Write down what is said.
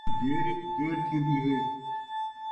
دیر ءِچ دیر تھین٘دی ہے